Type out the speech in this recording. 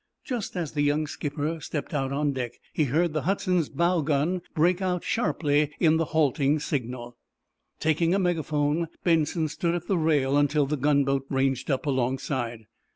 Just as the young skipper stepped out on deck he heard the "Hudson's" bow gun break out sharply in the halting signal. Taking a megaphone, Benson stood at the rail until the gunboat ranged up alongside.